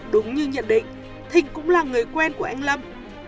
đúng như nhận định thịnh cũng là người quen của anh lâm